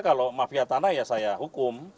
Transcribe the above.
kalau mafia tanah ya saya hukum